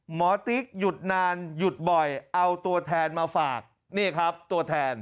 ติ๊กหยุดนานหยุดบ่อยเอาตัวแทนมาฝากนี่ครับตัวแทน